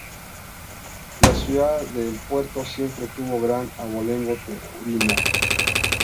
La ciudad de El Puerto siempre tuvo gran abolengo taurino.